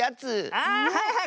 あはいはい。